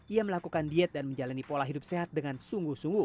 ia melakukan diet dan menjalani pola hidup sehat dengan sungguh sungguh